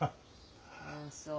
ああそう。